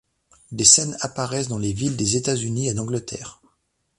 Des scènes apparaissent dans les villes des États-Unis et d'Angleterre.